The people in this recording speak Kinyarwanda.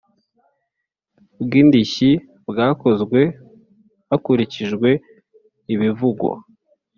bw indishyi bwakozwe hakurikijwe ibivugwa